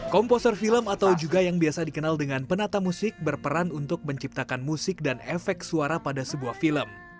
komposer film atau juga yang biasa dikenal dengan penata musik berperan untuk menciptakan musik dan efek suara pada sebuah film